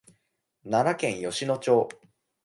奈良県吉野町